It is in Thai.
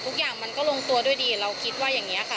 ทุกอย่างมันก็ลงตัวด้วยดีเราคิดว่าอย่างนี้ค่ะ